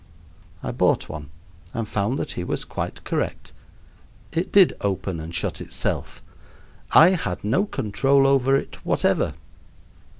I bought one and found that he was quite correct. It did open and shut itself. I had no control over it whatever.